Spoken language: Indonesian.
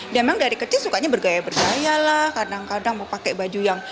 dia memang dari kecil sukanya bergaya bergaya lah kadang kadang mau pakai baju yang